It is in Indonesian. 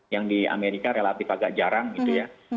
yang di amerika relatif agak jarang gitu ya